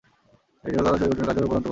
এটি হল শরীর গঠন কার্যক্রমের প্রধানতম অংশ।